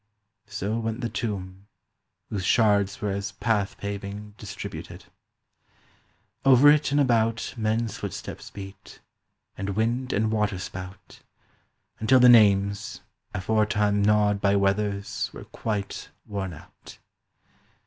So went the tomb, whose shards were as path paving Distributed. Over it and about Men's footsteps beat, and wind and water spout, Until the names, aforetime gnawed by weathers, Were quite worn out.